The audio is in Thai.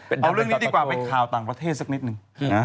เอาเรื่องนี้ดีกว่าไปข่าวต่างประเทศสักนิดนึงนะ